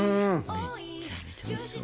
めちゃめちゃおいしそう。